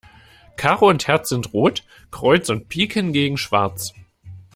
Karo und Herz sind rot, Kreuz und Pik hingegen schwarz.